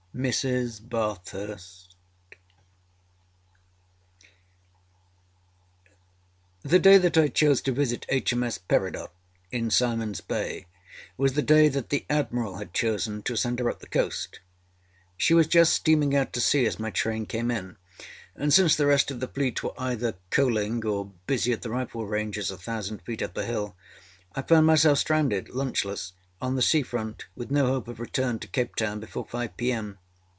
MRS. BATHURST The day that I chose to visit H.M.S. Peridot in Simonâs Bay was the day that the Admiral had chosen to send her up the coast. She was just steaming out to sea as my train came in, and since the rest of the Fleet were either coaling or busy at the rifle ranges a thousand feet up the hill, I found myself stranded, lunchless, on the sea front with no hope of return to Cape Town before five P.M.